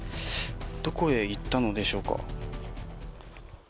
どこへ行ったのでしょうか？